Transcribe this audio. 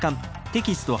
テキスト８